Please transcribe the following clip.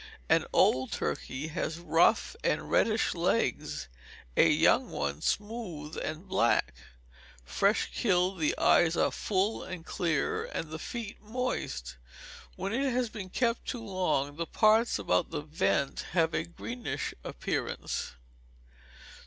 An old turkey has rough and reddish legs; a young one smooth and black. Fresh killed, the eyes are full and clear, and the feet moist. When it has been kept too long, the parts about the vent have a greenish appearance.